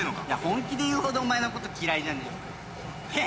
本気で言うほどお前のこと嫌いじゃねえよお前。